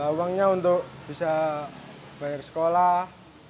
uangnya untuk bisa bayar sekolah